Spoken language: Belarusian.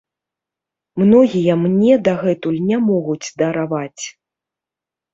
Многія мне дагэтуль не могуць дараваць!